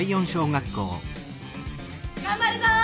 がんばるぞ！